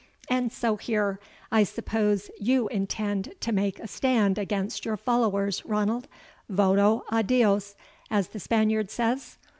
And so here, I suppose you intend to make a stand against your followers, Ranald VOTO A DIOS, as the Spaniard says?